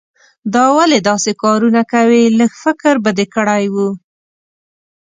دا ولې داسې کارونه کوې؟ لږ خو فکر به دې کړای وو.